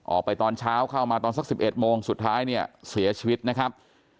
ออกไปตอนเช้าเข้ามาตอนสัก๑๑โมงสุดท้ายเนี่ยเสียชีวิตนะครับ